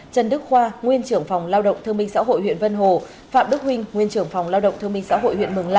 trần đức khoa nguyên trưởng phòng lao động thương minh xã hội huyện vân hồ phạm đức huynh nguyên trưởng phòng lao động thương minh xã hội huyện mường la